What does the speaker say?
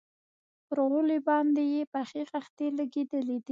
پر غولي باندې يې پخې خښتې لگېدلي دي.